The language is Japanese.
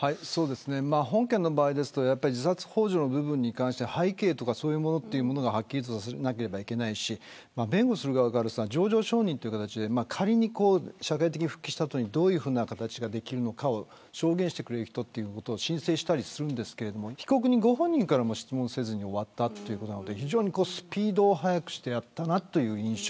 本件の場合ですと自殺ほう助の部分に関して背景とかそういうものをはっきりとさせなければいけないし弁護する側からしたら情状証人という形で仮に社会的に復帰した後にどういう形ができるのか証言してくれる人を申請したりするんですが被告人ご本人からも質問せずに終わったということでスピードを速くしてやったなという印象